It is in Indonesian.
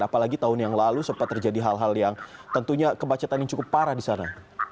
apalagi tahun yang lalu sempat terjadi hal hal yang tentunya kemacetan yang cukup parah di sana